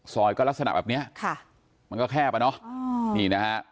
ก็ลักษณะแบบเนี้ยค่ะมันก็แคบอ่ะเนอะนี่นะฮะ